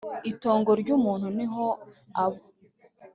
itongo ry’umuntu niho aba